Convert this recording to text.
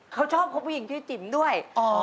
เขาชอบคบผู้หญิงชื่อจิ๋มด้วย